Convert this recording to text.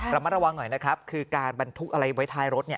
ระมัดระวังหน่อยนะครับคือการบรรทุกอะไรไว้ท้ายรถเนี่ย